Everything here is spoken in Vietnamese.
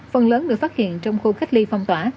phần lớn được phát hiện trong khu cách ly phong tỏa